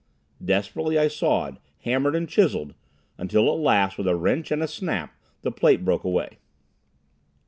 Desperately I sawed, hammered and chiseled, until at last with a wrench and a snap, the plate broke away.